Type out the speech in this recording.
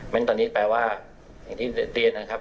ตอนนี้แปลว่าอย่างที่เรียนนะครับ